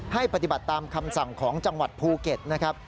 ปฏิบัติตามคำสั่งของจังหวัดภูเก็ตนะครับ